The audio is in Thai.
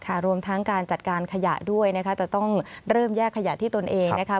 รวมทั้งการจัดการขยะด้วยนะคะจะต้องเริ่มแยกขยะที่ตนเองนะคะ